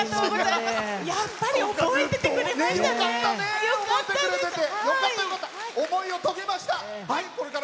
やっぱり覚えててくれましたか！